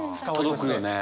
届くよね。